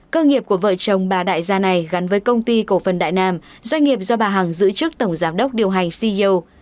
cơ nghiệp của vợ chồng bà đại gia này gắn với công ty cổ phần đại nam doanh nghiệp do bà hằng giữ chức tổng giám đốc điều hành ceo